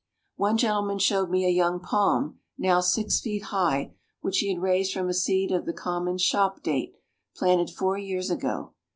One gentleman showed me a young palm, now six feet high, which he had raised from a seed of the common shop date, planted four years ago.